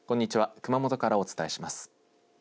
熊本からお伝えします。